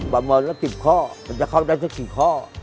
ประมาณละ๑๐ข้อมันจะเข้าได้สักกี่ข้อ